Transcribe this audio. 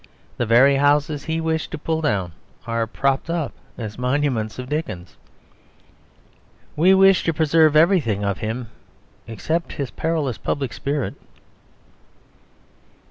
The very houses he wished to pull down are propped up as monuments of Dickens. We wish to preserve everything of him, except his perilous public spirit.